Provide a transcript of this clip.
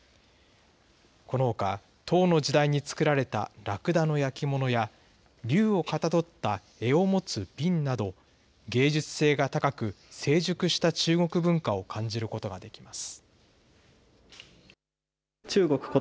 このほか、唐の時代に作られたラクダの焼き物や、龍をかたどった柄を持つ瓶など、芸術性が高く、成熟した中国文化を感じることができます。